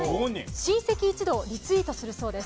親戚一同リツイートするそうです。